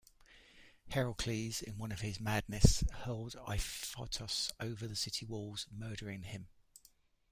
Heracles, in one of his madness, hurled Iphitos over the city walls, murdering him.